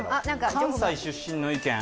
関西出身の意見。